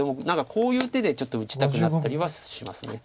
何かこういう手でちょっと打ちたくなったりはします。